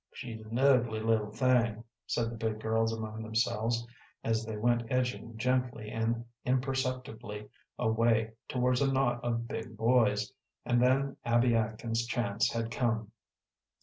"She's an ugly little thing," said the big girls among themselves as they went edging gently and imperceptibly away towards a knot of big boys, and then Abby Atkins's chance had come.